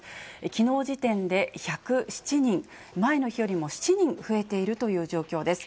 きのう時点で１０７人、前の日よりも７人増えているという状況です。